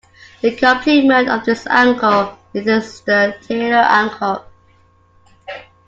The complement of this angle is the Taylor angle.